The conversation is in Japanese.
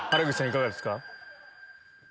いかがですか？